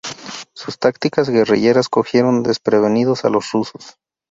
Sus tácticas guerrilleras cogieron desprevenidos a los rusos.